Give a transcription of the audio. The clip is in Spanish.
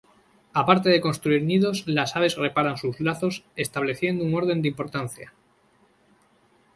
Aparte de construir nidos las aves reparan sus lazos estableciendo un orden de importancia.